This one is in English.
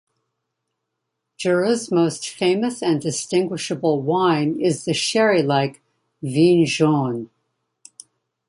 Jura's most famous and distinguishable wine is the sherry-like "vin jaune".